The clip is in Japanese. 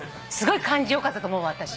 すごい感じよかったと思うわ私。